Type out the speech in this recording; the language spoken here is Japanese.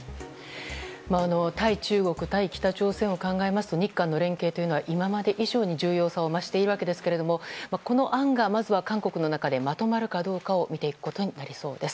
対中国、対北朝鮮を考えますと日韓の連携は今まで以上に重要さを増しているわけですがこの案がまずは韓国の中でまとまるか見ていくことになりそうです。